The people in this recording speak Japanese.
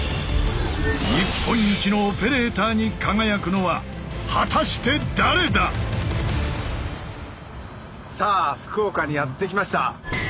日本一のオペレーターに輝くのは果たして誰だ⁉さあ福岡にやって来ました。